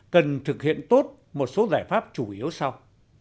cần thực hiện tốt một số giải pháp chủ yếu sau